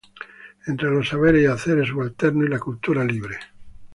entre los saberes y haceres subalternos y la cultura libre.